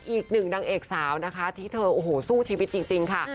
อีกหนึ่งนางเอกสาวที่เธอสู้ชีวิตจริงค่ะ